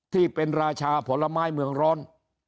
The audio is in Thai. ที่เป็นราชาผลไม้เมืองร้อน